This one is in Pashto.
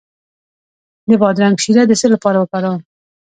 د بادرنګ شیره د څه لپاره وکاروم؟